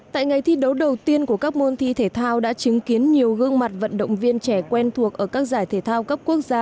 tại ngày thi đấu đầu tiên của các môn thi thể thao đã chứng kiến nhiều gương mặt vận động viên trẻ quen thuộc ở các giải thể thao cấp quốc gia